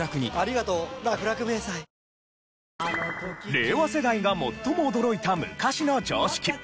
令和世代が最も驚いた昔の常識。